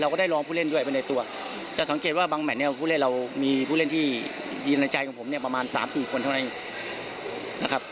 เราก็ได้ลองผู้เล่นด้วยไปในตัวจะสังเกตว่าบางแมทเนี่ยผู้เล่นเรามีผู้เล่นที่ยืนในใจของผมเนี่ยประมาณ๓๔คนเท่านั้นเองนะครับ